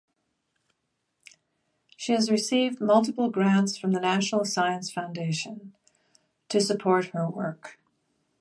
She has received multiple grants from the National Science Foundation to support her work.